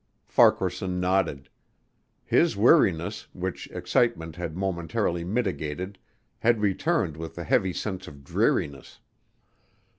Farquaharson nodded. His weariness, which excitement had momentarily mitigated had returned with a heavy sense of dreariness.